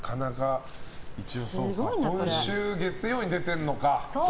今週月曜に出てるのか。